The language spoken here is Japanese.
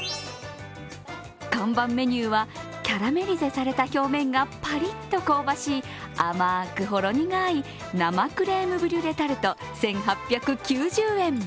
看板メニューはキャラメリゼされた表面がパリッと香ばしい甘くほろ苦い生クレームブリュレ・タルト１８９０円。